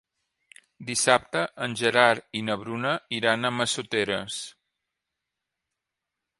Dissabte en Gerard i na Bruna iran a Massoteres.